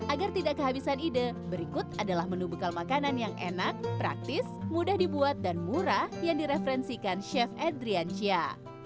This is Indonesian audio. agar tidak kehabisan ide berikut adalah menu bekal makanan yang enak praktis mudah dibuat dan murah yang direferensikan chef edriansya